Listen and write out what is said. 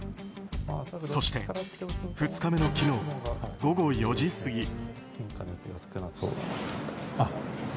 そして、２日目の昨日午後４時過ぎ。